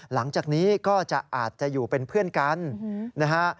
หลังจากนี้ก็จะอาจจะอยู่เป็นเพื่อนกันนะฮะ